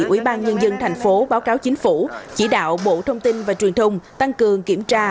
ủy ban nhân dân thành phố báo cáo chính phủ chỉ đạo bộ thông tin và truyền thông tăng cường kiểm tra